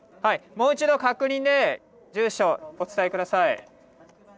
もう一度確認で住所お伝え下さい。